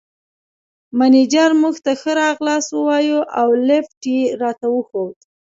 مېنېجر موږ ته ښه راغلاست ووایه او لېفټ یې راته وښود.